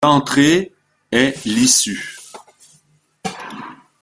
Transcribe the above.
L’entrée est l’issue.